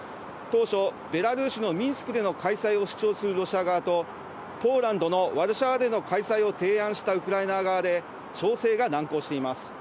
当初、ベラルーシのミンスクでの開催を主張するロシア側と、ポーランドのワルシャワでの開催を提案したウクライナ側で、調整が難航しています。